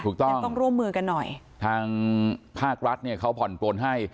ยังต้องร่วมมือกันหน่อยทางภาครัฐเนี่ยเขาผ่อนปลนให้